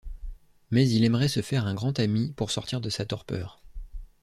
Mais il aimerait se faire un grand ami, pour sortir de sa torpeur.